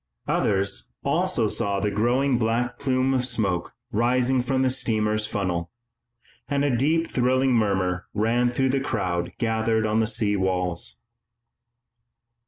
Others also saw the growing black plume of smoke rising from the steamer's funnel, and a deep thrilling murmur ran through the crowd gathered on the sea walls.